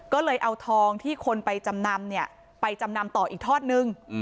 ก็เลยเอาทองที่คนไปจำนำเนี่ยไปจำนำต่ออีกทอดนึง